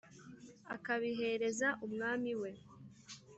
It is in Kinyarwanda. akabihereza umwami we